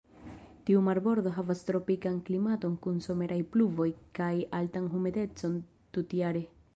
Tiu marbordo havas tropikan klimaton kun someraj pluvoj kaj altan humidecon tutjare.